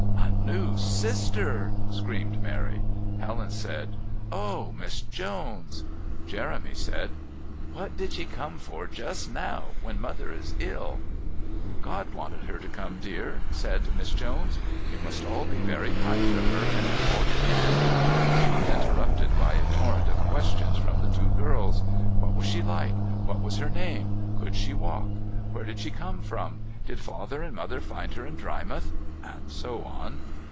"A new sister!" screamed Mary. Helen said: "Oh, Miss Jones!" Jeremy said: "What did she come for just now, when Mother is ill?" "God wanted her to come, dear," said Miss Jones. "You must all be very kind to her, and do all you can " She was interrupted by a torrent of questions from the two girls. What was she like? What was her name? Could she walk? Where did she come from? Did Father and Mother find her in Drymouth? And so on.